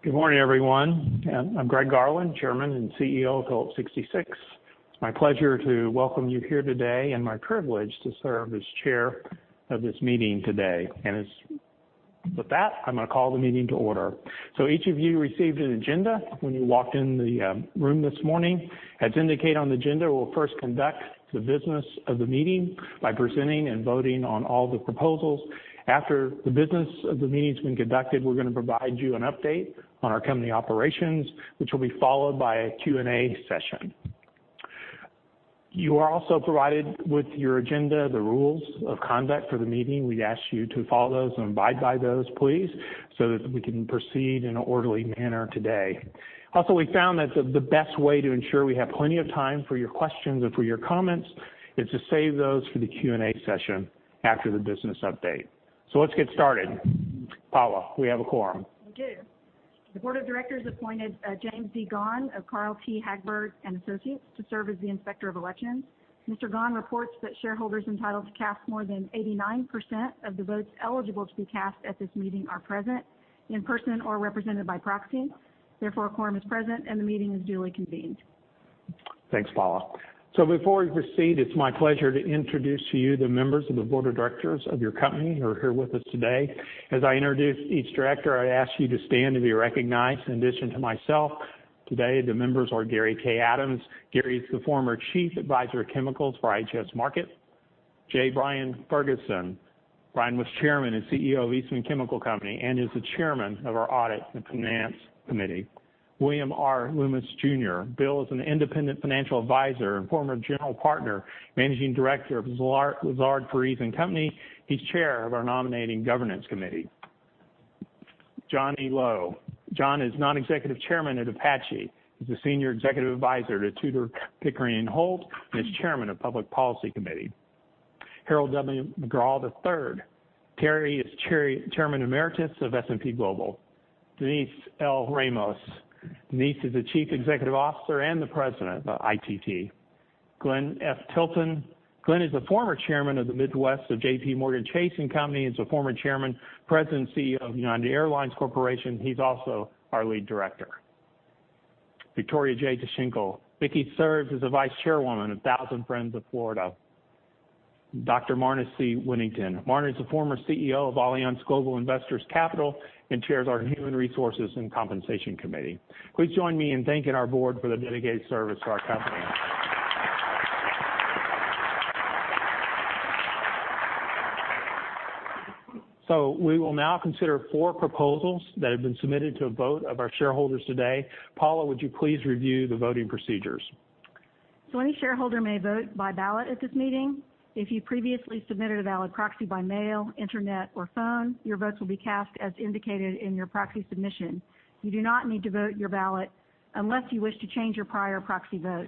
Good morning, everyone. I'm Greg Garland, Chairman and CEO of Phillips 66. It's my pleasure to welcome you here today and my privilege to serve as Chair of this meeting today. With that, I'm going to call the meeting to order. Each of you received an agenda when you walked in the room this morning. As indicated on the agenda, we'll first conduct the business of the meeting by presenting and voting on all the proposals. After the business of the meeting has been conducted, we're going to provide you an update on our company operations, which will be followed by a Q&A session. You are also provided with your agenda, the rules of conduct for the meeting. We ask you to follow those and abide by those, please, so that we can proceed in an orderly manner today. Also, we found that the best way to ensure we have plenty of time for your questions and for your comments is to save those for the Q&A session after the business update. Let's get started. Paula, we have a quorum. We do. The board of directors appointed James D. Gaughan of Carl T. Hagberg & Associates to serve as the Inspector of Elections. Mr. Gaughan reports that shareholders entitled to cast more than 89% of the votes eligible to be cast at this meeting are present in person or represented by proxy. Therefore, a quorum is present, and the meeting is duly convened. Thanks, Paula. Before we proceed, it's my pleasure to introduce to you the members of the board of directors of your company who are here with us today. As I introduce each director, I ask you to stand to be recognized. In addition to myself, today, the members are Gary K. Adams. Gary's the former Chief Advisor of Chemicals for IHS Markit. J. Brian Ferguson. Brian was Chairman and CEO of Eastman Chemical Company and is the Chairman of our Audit and Finance Committee. William R. Loomis Jr. Bill is an independent financial advisor and former General Partner, Managing Director of Lazard Frères & Co. He's Chair of our Nominating Governance Committee. John E. Lowe. John is Non-Executive Chairman at Apache. He's the Senior Executive Advisor to Tudor, Pickering & Holt and is Chairman of Public Policy Committee. Harold W. McGraw III. Harry is Chairman Emeritus of S&P Global. Denise L. Ramos. Denise is the Chief Executive Officer and the President of ITT. Glenn F. Tilton. Glenn is the former Chairman of the Midwest of JPMorgan Chase & Co. and is a former Chairman, President, and CEO of United Airlines Holdings. He's also our Lead Director. Victoria J. Tschinkel. Vicky serves as the Vice Chairwoman of 1000 Friends of Florida. Marna C. Whittington. Marnie is the former CEO of Allianz Global Investors Capital and Chairs our Human Resources and Compensation Committee. Please join me in thanking our board for their dedicated service to our company. We will now consider four proposals that have been submitted to a vote of our shareholders today. Paula, would you please review the voting procedures? Any shareholder may vote by ballot at this meeting. If you previously submitted a valid proxy by mail, internet, or phone, your votes will be cast as indicated in your proxy submission. You do not need to vote your ballot unless you wish to change your prior proxy vote.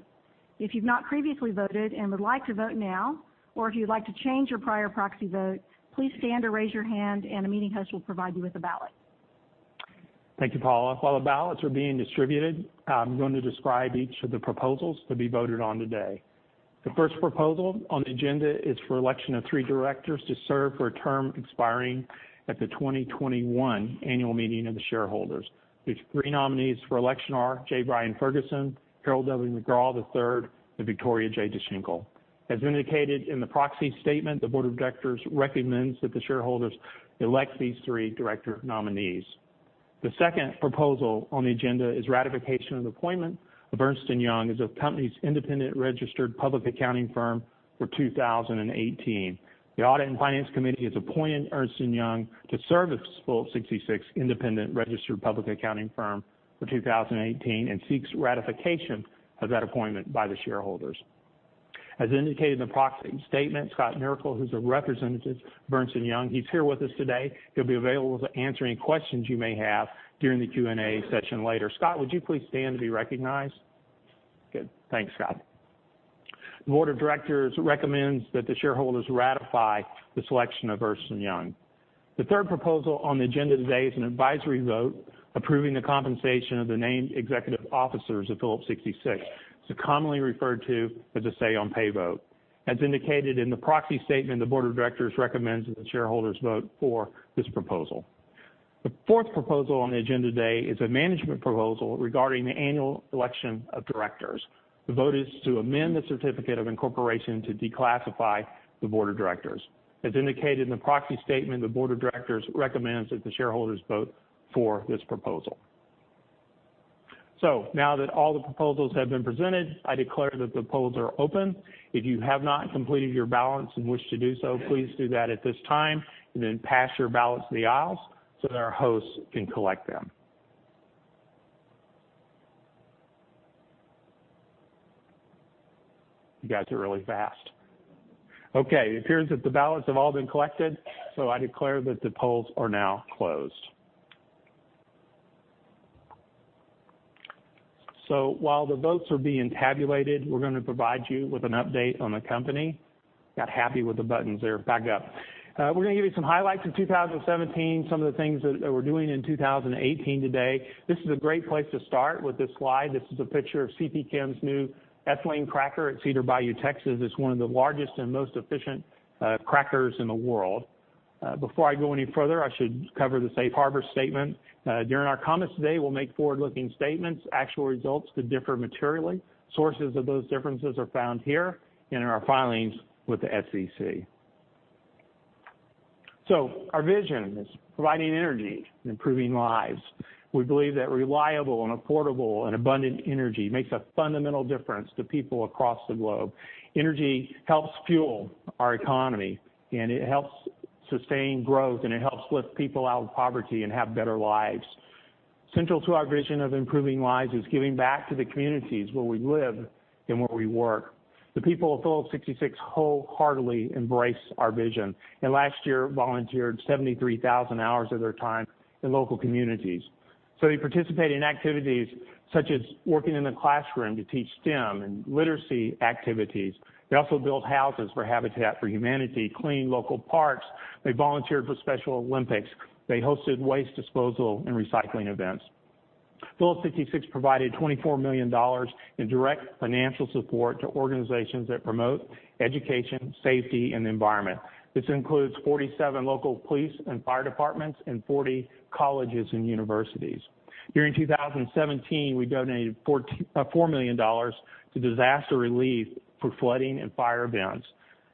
If you've not previously voted and would like to vote now, or if you'd like to change your prior proxy vote, please stand or raise your hand and a meeting host will provide you with a ballot. Thank you, Paula. While the ballots are being distributed, I'm going to describe each of the proposals to be voted on today. The first proposal on the agenda is for election of three directors to serve for a term expiring at the 2021 annual meeting of the shareholders. The three nominees for election are J. Brian Ferguson, Harold W. McGraw III, and Victoria J. Tschinkel. As indicated in the proxy statement, the board of directors recommends that the shareholders elect these three director nominees. The second proposal on the agenda is ratification of appointment of Ernst & Young as the company's independent registered public accounting firm for 2018. The Audit and Finance Committee has appointed Ernst & Young to serve as Phillips 66 independent registered public accounting firm for 2018 and seeks ratification of that appointment by the shareholders. As indicated in the proxy statement, Scott Miracle, who's a representative of Ernst & Young, he's here with us today. He'll be available to answer any questions you may have during the Q&A session later. Scott, would you please stand to be recognized? Good. Thanks, Scott. The board of directors recommends that the shareholders ratify the selection of Ernst & Young. The third proposal on the agenda today is an advisory vote approving the compensation of the named executive officers of Phillips 66. It's commonly referred to as a say-on-pay vote. As indicated in the proxy statement, the board of directors recommends that the shareholders vote for this proposal. The fourth proposal on the agenda today is a management proposal regarding the annual election of directors. The vote is to amend the certificate of incorporation to declassify the board of directors. As indicated in the proxy statement, the board of directors recommends that the shareholders vote for this proposal. Now that all the proposals have been presented, I declare that the polls are open. If you have not completed your ballots and wish to do so, please do that at this time, then pass your ballots in the aisles so that our hosts can collect them. You guys are really fast. Okay, it appears that the ballots have all been collected, so I declare that the polls are now closed. While the votes are being tabulated, we're going to provide you with an update on the company. Got happy with the buttons there. Back up. We're going to give you some highlights of 2017, some of the things that we're doing in 2018 today. This is a great place to start with this slide. This is a picture of CP Chem's new ethylene cracker at Cedar Bayou, Texas. It's one of the largest and most efficient crackers in the world. Before I go any further, I should cover the safe harbor statement. During our comments today, we'll make forward-looking statements. Actual results could differ materially. Sources of those differences are found here and in our filings with the SEC. Our vision is providing energy and improving lives. We believe that reliable and affordable and abundant energy makes a fundamental difference to people across the globe. Energy helps fuel our economy, it helps sustain growth, and it helps lift people out of poverty and have better lives. Central to our vision of improving lives is giving back to the communities where we live and where we work. The people of Phillips 66 wholeheartedly embrace our vision, last year volunteered 73,000 hours of their time in local communities. They participate in activities such as working in the classroom to teach STEM and literacy activities. They also build houses for Habitat for Humanity, clean local parks. They volunteered for Special Olympics. They hosted waste disposal and recycling events. Phillips 66 provided $24 million in direct financial support to organizations that promote education, safety, and the environment. This includes 47 local police and fire departments and 40 colleges and universities. During 2017, we donated $4 million to disaster relief for flooding and fire events.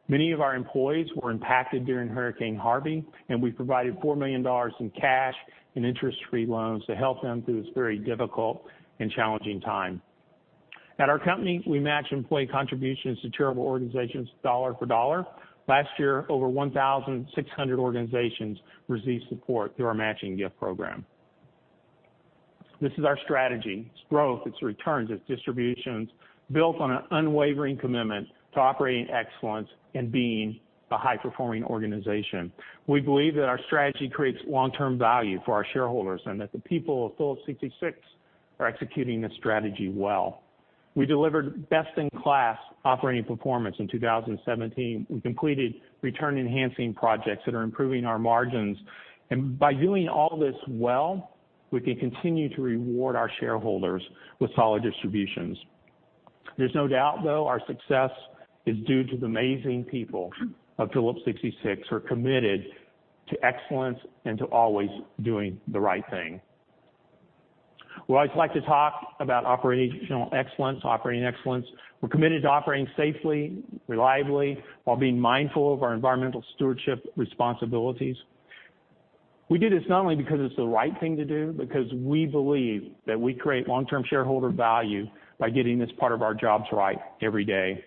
Many of our employees were impacted during Hurricane Harvey, we provided $4 million in cash and interest-free loans to help them through this very difficult and challenging time. At our company, we match employee contributions to charitable organizations dollar for dollar. Last year, over 1,600 organizations received support through our matching gift program. This is our strategy. It's growth, it's returns, it's distributions, built on an unwavering commitment to operating excellence and being a high-performing organization. We believe that our strategy creates long-term value for our shareholders and that the people of Phillips 66 are executing this strategy well. We delivered best-in-class operating performance in 2017. We completed return-enhancing projects that are improving our margins. By doing all this well, we can continue to reward our shareholders with solid distributions. There's no doubt, though, our success is due to the amazing people of Phillips 66 who are committed to excellence and to always doing the right thing. We always like to talk about operational excellence, operating excellence. We're committed to operating safely, reliably, while being mindful of our environmental stewardship responsibilities. We do this not only because it's the right thing to do, because we believe that we create long-term shareholder value by getting this part of our jobs right every day.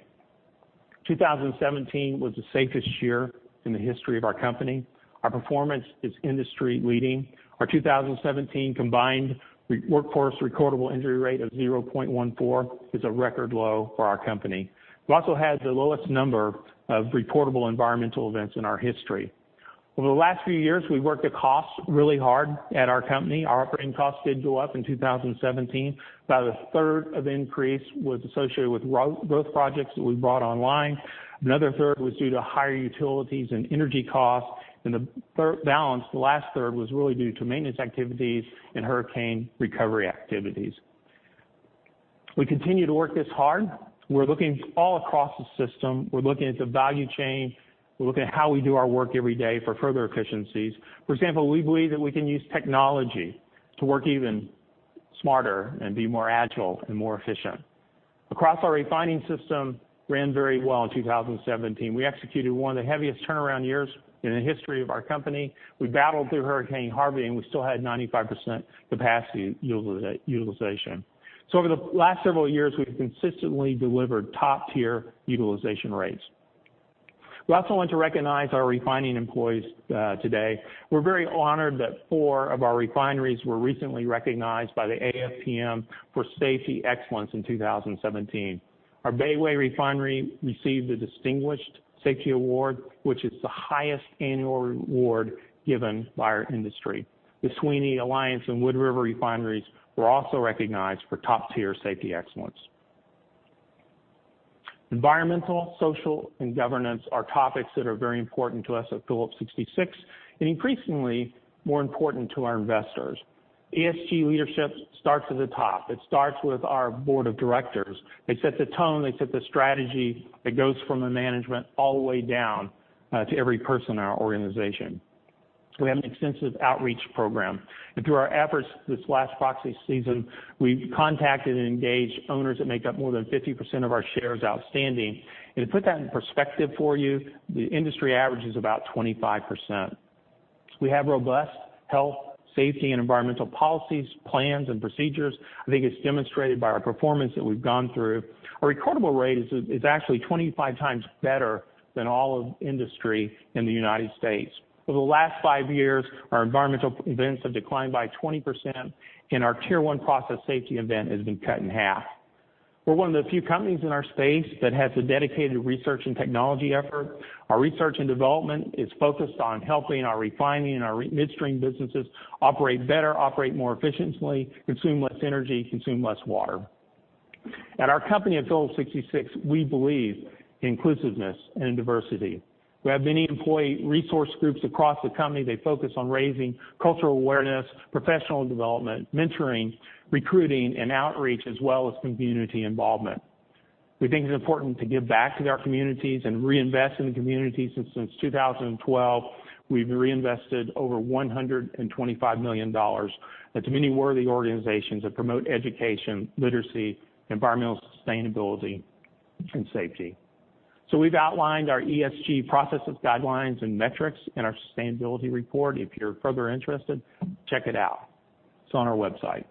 2017 was the safest year in the history of our company. Our performance is industry-leading. Our 2017 combined workforce recordable injury rate of 0.14 is a record low for our company. We also had the lowest number of reportable environmental events in our history. Over the last few years, we've worked at cost really hard at our company. Our operating costs did go up in 2017. About a third of increase was associated with growth projects that we brought online. Another third was due to higher utilities and energy costs. The balance, the last third, was really due to maintenance activities and hurricane recovery activities. We continue to work this hard. We're looking all across the system. We're looking at the value chain. We're looking at how we do our work every day for further efficiencies. For example, we believe that we can use technology to work even smarter and be more agile and more efficient. Across our refining system ran very well in 2017. We executed one of the heaviest turnaround years in the history of our company. We battled through Hurricane Harvey, and we still had 95% capacity utilization. Over the last several years, we've consistently delivered top-tier utilization rates. We also want to recognize our refining employees today. We're very honored that four of our refineries were recently recognized by the AFPM for safety excellence in 2017. Our Bayway refinery received the Distinguished Safety Award, which is the highest annual award given by our industry. The Sweeny, Alliance, and Wood River refineries were also recognized for top-tier safety excellence. Environmental, social, and governance are topics that are very important to us at Phillips 66 and increasingly more important to our investors. ESG leadership starts at the top. It starts with our board of directors. They set the tone, they set the strategy. It goes from the management all the way down to every person in our organization. We have an extensive outreach program. Through our efforts this last proxy season, we contacted and engaged owners that make up more than 50% of our shares outstanding. To put that in perspective for you, the industry average is about 25%. We have robust health, safety, and environmental policies, plans, and procedures. I think it's demonstrated by our performance that we've gone through. Our recordable rate is actually 25 times better than all of industry in the U.S. Over the last five years, our environmental events have declined by 20%, and our Tier 1 process safety event has been cut in half. We're one of the few companies in our space that has a dedicated research and technology effort. Our research and development is focused on helping our refining and our midstream businesses operate better, operate more efficiently, consume less energy, consume less water. At our company at Phillips 66, we believe in inclusiveness and diversity. We have many employee resource groups across the company. They focus on raising cultural awareness, professional development, mentoring, recruiting, and outreach, as well as community involvement. We think it's important to give back to our communities and reinvest in the community. Since 2012, we've reinvested over $125 million to many worthy organizations that promote education, literacy, environmental sustainability, and safety. We've outlined our ESG processes, guidelines, and metrics in our sustainability report. If you're further interested, check it out. It's on our website.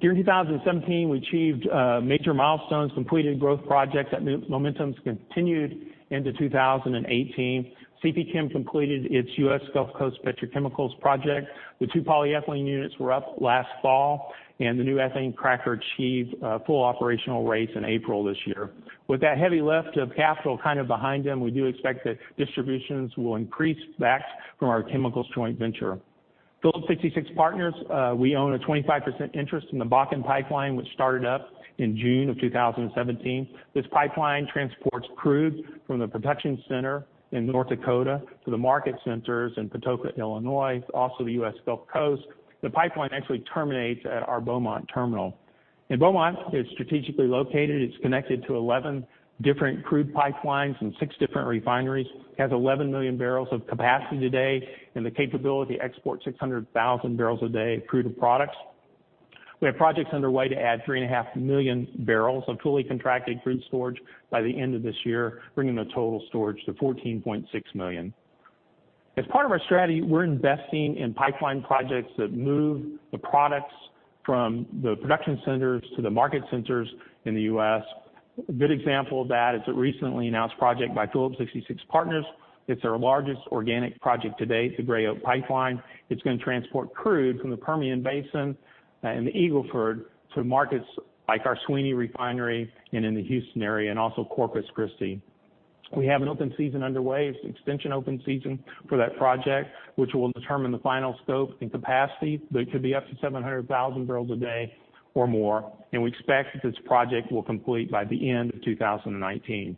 During 2017, we achieved major milestones, completed growth projects. That momentum's continued into 2018. CP Chem completed its U.S. Gulf Coast petrochemicals project. The two polyethylene units were up last fall, and the new ethane cracker achieved full operational rates in April this year. With that heavy lift of capital kind of behind them, we do expect that distributions will increase back from our chemicals joint venture. Phillips 66 Partners, we own a 25% interest in the Bakken Pipeline, which started up in June of 2017. This pipeline transports crude from the production center in North Dakota to the market centers in Patoka, Illinois, also the U.S. Gulf Coast. The pipeline actually terminates at our Beaumont terminal. Beaumont is strategically located. It's connected to 11 different crude pipelines and six different refineries, has 11 million barrels of capacity today, and the capability to export 600,000 barrels a day of crude products. We have projects underway to add three and a half million barrels of totally contracted crude storage by the end of this year, bringing the total storage to 14.6 million. As part of our strategy, we're investing in pipeline projects that move the products from the production centers to the market centers in the U.S. A good example of that is a recently announced project by Phillips 66 Partners. It's our largest organic project to date, the Gray Oak Pipeline. It's going to transport crude from the Permian Basin and the Eagle Ford to markets like our Sweeny Refinery and in the Houston area, and also Corpus Christi. We have an open season underway, it's an extension open season for that project, which will determine the final scope and capacity, but it could be up to 700,000 barrels a day or more, and we expect that this project will complete by the end of 2019.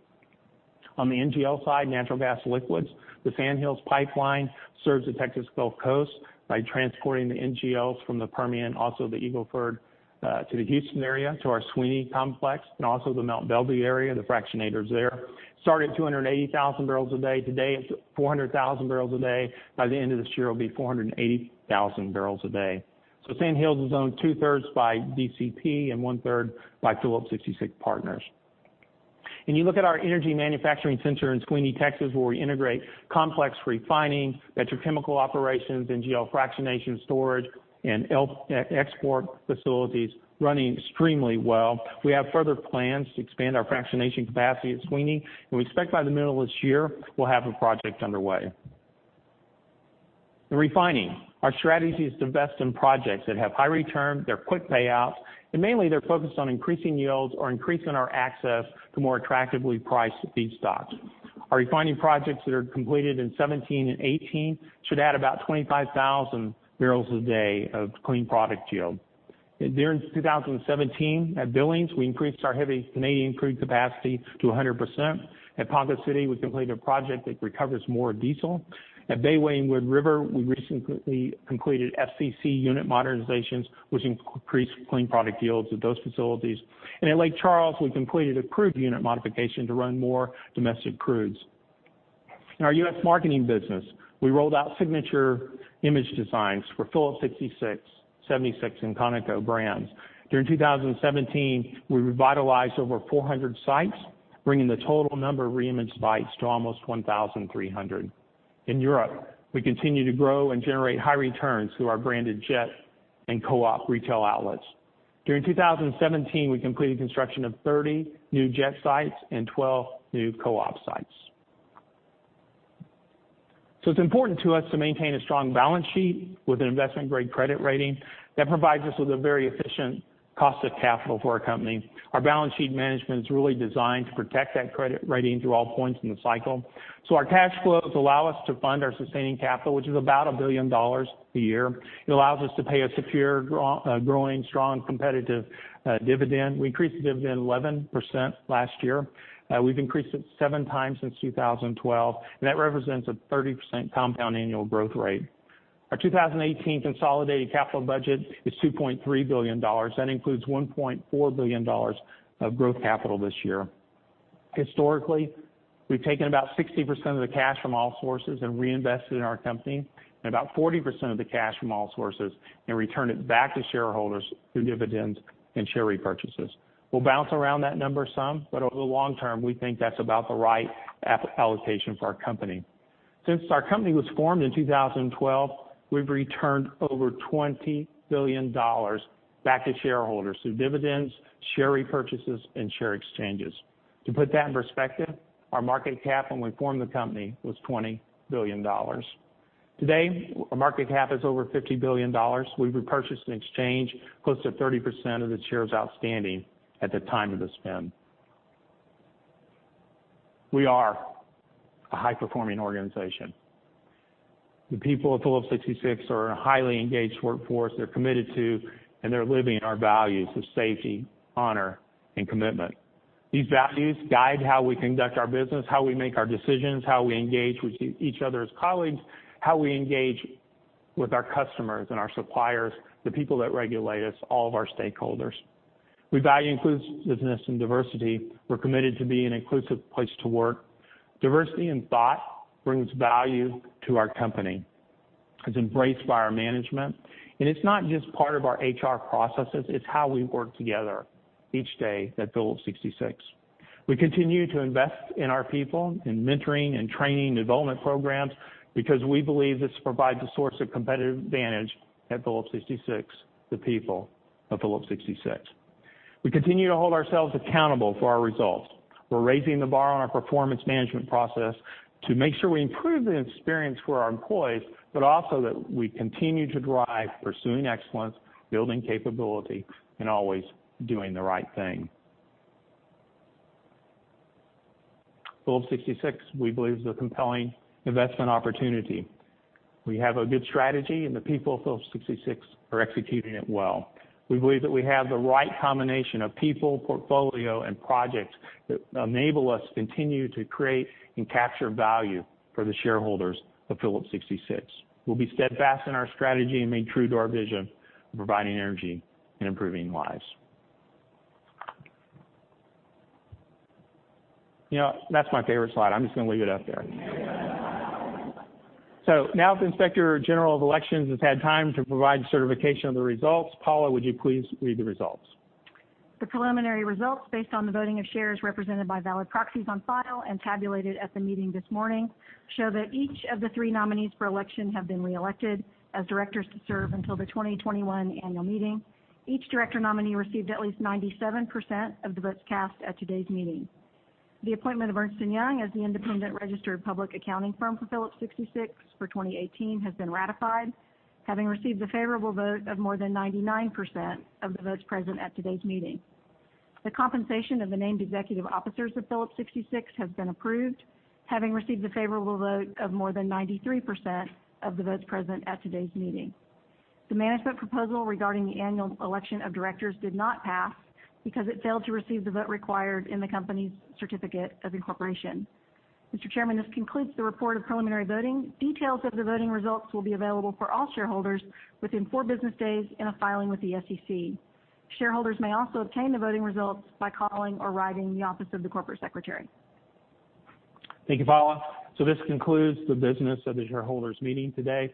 On the NGL side, natural gas liquids, the Sand Hills Pipeline serves the Texas Gulf Coast by transporting the NGLs from the Permian, also the Eagle Ford, to the Houston area, to our Sweeny complex, and also the Mount Belvieu area, the fractionators there. Started at 280,000 barrels a day. Today, it's 400,000 barrels a day. By the end of this year, it'll be 480,000 barrels a day. Sand Hills is owned two-thirds by DCP and one-third by Phillips 66 Partners. You look at our energy manufacturing center in Sweeny, Texas, where we integrate complex refining, petrochemical operations, NGL fractionation storage, and export facilities running extremely well. We have further plans to expand our fractionation capacity at Sweeny, and we expect by the middle of this year, we'll have a project underway. In refining, our strategy is to invest in projects that have high return, they're quick payouts, and mainly they're focused on increasing yields or increasing our access to more attractively priced feedstocks. Our refining projects that are completed in 2017 and 2018 should add about 25,000 barrels a day of clean product yield. During 2017, at Billings, we increased our heavy Canadian crude capacity to 100%. At Ponca City, we completed a project that recovers more diesel. At Bayway and Wood River, we recently completed FCC unit modernizations, which increased clean product yields at those facilities. At Lake Charles, we completed a crude unit modification to run more domestic crudes. In our U.S. marketing business, we rolled out signature image designs for Phillips 66, 76, and Conoco brands. During 2017, we revitalized over 400 sites, bringing the total number of reimaged sites to almost 1,300. In Europe, we continue to grow and generate high returns through our branded jet and co-op retail outlets. During 2017, we completed construction of 30 new jet sites and 12 new co-op sites. It's important to us to maintain a strong balance sheet with an investment-grade credit rating that provides us with a very efficient cost of capital for our company. Our balance sheet management is really designed to protect that credit rating through all points in the cycle. Our cash flows allow us to fund our sustaining capital, which is about $1 billion a year. It allows us to pay a secure, growing, strong competitive dividend. We increased the dividend 11% last year. We've increased it seven times since 2012, and that represents a 30% compound annual growth rate. Our 2018 consolidated capital budget is $2.3 billion. That includes $1.4 billion of growth capital this year. Historically, we've taken about 60% of the cash from all sources and reinvested in our company, and about 40% of the cash from all sources and returned it back to shareholders through dividends and share repurchases. We'll bounce around that number some, but over the long term, we think that's about the right allocation for our company. Since our company was formed in 2012, we've returned over $20 billion back to shareholders through dividends, share repurchases, and share exchanges. To put that in perspective, our market cap when we formed the company was $20 billion. Today, our market cap is over $50 billion. We've repurchased and exchanged close to 30% of the shares outstanding at the time of the spin. We are a high-performing organization. The people at Phillips 66 are a highly engaged workforce. They're committed to, and they're living our values of safety, honor, and commitment. These values guide how we conduct our business, how we make our decisions, how we engage with each other as colleagues, how we engage with our customers and our suppliers, the people that regulate us, all of our stakeholders. We value inclusiveness and diversity. We're committed to being an inclusive place to work. Diversity in thought brings value to our company. It's embraced by our management, and it's not just part of our HR processes, it's how we work together each day at Phillips 66. We continue to invest in our people, in mentoring and training development programs, because we believe this provides a source of competitive advantage at Phillips 66, the people of Phillips 66. We continue to hold ourselves accountable for our results. We're raising the bar on our performance management process to make sure we improve the experience for our employees, but also that we continue to drive pursuing excellence, building capability, and always doing the right thing. Phillips 66, we believe, is a compelling investment opportunity. We have a good strategy, and the people of Phillips 66 are executing it well. We believe that we have the right combination of people, portfolio, and projects that enable us to continue to create and capture value for the shareholders of Phillips 66. We'll be steadfast in our strategy and remain true to our vision of providing energy and improving lives. That's my favorite slide. I'm just going to leave it up there. Now that the Inspector General of Elections has had time to provide certification of the results, Paula, would you please read the results? The preliminary results, based on the voting of shares represented by valid proxies on file and tabulated at the meeting this morning, show that each of the three nominees for election have been reelected as directors to serve until the 2021 annual meeting. Each director nominee received at least 97% of the votes cast at today's meeting. The appointment of Ernst & Young as the independent registered public accounting firm for Phillips 66 for 2018 has been ratified, having received the favorable vote of more than 99% of the votes present at today's meeting. The compensation of the named executive officers of Phillips 66 has been approved, having received the favorable vote of more than 93% of the votes present at today's meeting. The management proposal regarding the annual election of directors did not pass because it failed to receive the vote required in the company's certificate of incorporation. Mr. Chairman, this concludes the report of preliminary voting. Details of the voting results will be available for all shareholders within four business days in a filing with the SEC. Shareholders may also obtain the voting results by calling or writing the Office of the Corporate Secretary. Thank you, Paula. This concludes the business of the shareholders meeting today.